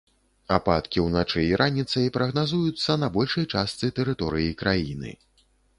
Ападкі ўначы і раніцай прагназуюцца на большай частцы тэрыторыі краіны.